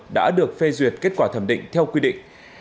đã được phê duyệt kết quả thẩm định theo quy định